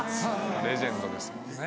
レジェンドですもんね。